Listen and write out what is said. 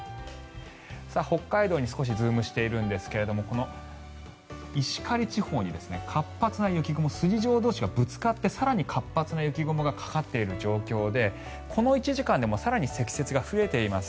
北海道に少しズームしているんですがこの石狩地方に活発な雪雲筋状同士がぶつかって更に活発な雪雲がかかっている状況でこの１時間でも更に積雪が増えています。